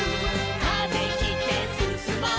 「風切ってすすもう」